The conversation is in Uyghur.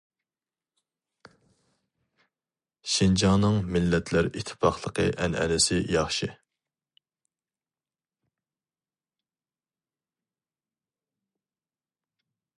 شىنجاڭنىڭ مىللەتلەر ئىتتىپاقلىقى ئەنئەنىسى ياخشى.